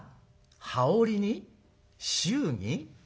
羽織に祝儀？